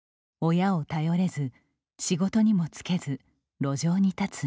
親を頼れず、仕事にも就けず路上に立つまゆさん。